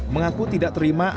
mengaku tidak terima bakso